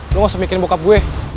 lo gak usah mikirin bokap gue